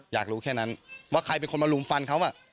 อยากรู้แค่นั้นว่าใครเป็นคนมาลุมฟันเขา